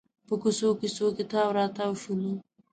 په کوڅو کوڅو کې تاو راتاو شولو.